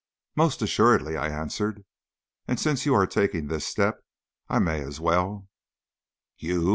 "Most assuredly," I answered; "and since you are taking this step, I may as well" "You!